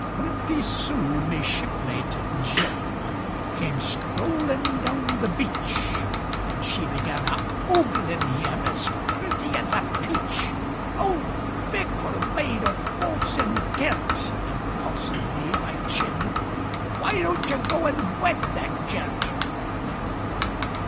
But pretty soon me shipmate Jim Came strollin' down the beach, And she began a oglin' him As pretty as a peach. "O, fickle maid o' false intent," Impulsively I chid, "Why don't you go and wed that gent?"